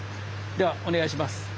ではお願いします。